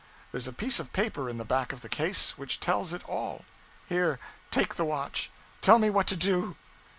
There's a piece of paper in the back of the case, which tells it all. Here, take the watch tell me what to do!'